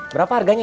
berapa harganya ya